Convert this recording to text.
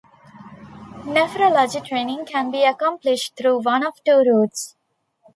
Nephrology training can be accomplished through one of two routes.